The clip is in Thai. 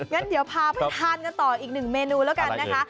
งั้นเดี๋ยวพาไปทานกันต่ออีกหนึ่งเมนูแล้วกันนะคะ